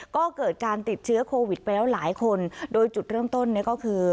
ก็เกิดการติดเชื้อโควิดไปแล้วหลายคนโดยจุดเริ่มต้นเนี่ยก็คือ